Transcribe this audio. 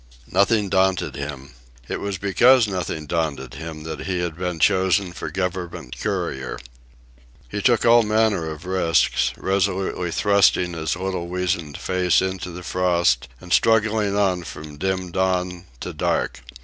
Nothing daunted him. It was because nothing daunted him that he had been chosen for government courier. He took all manner of risks, resolutely thrusting his little weazened face into the frost and struggling on from dim dawn to dark.